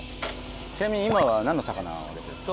ちなみに今は何の魚を揚げてるんですか？